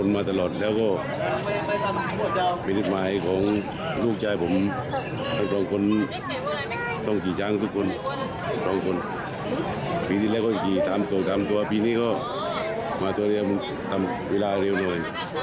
มาเท่าเรียกตามเวลาเร็วหน่อย